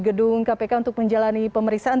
gedung kpk untuk menjalani pemeriksaan